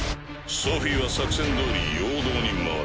ソフィは作戦どおり陽動に回れ。